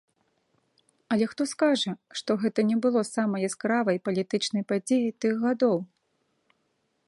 Але хто скажа, што гэта не было самай яскравай палітычнай падзеяй тых гадоў?